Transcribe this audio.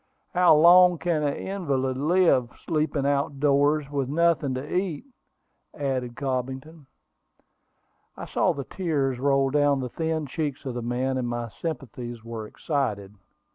How long can an invalid live, sleeping out doors, with nothing to eat?" added Cobbington. I saw the tears roll down the thin cheeks of the man, and my sympathies were excited.